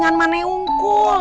gak ada yang unggul